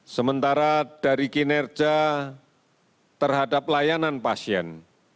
sementara dari kinerja terhadap layanan pasien